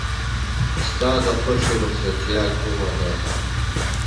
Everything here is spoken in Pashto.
ستا د خوښې رخصتیا کومه ده؟